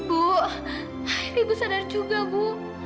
ibu ibu sadar juga ibu